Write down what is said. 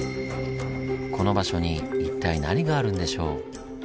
この場所に一体何があるんでしょう？